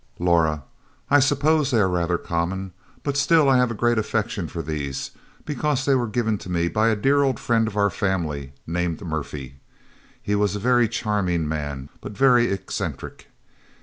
Laura "I suppose they are rather common, but still I have a great affection for these, because they were given to me by a dear old friend of our family named Murphy. He was a very charming man, but very eccentric.